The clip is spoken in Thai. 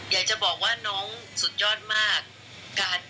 อยากจะบอกว่าน้องสุดยอดมาก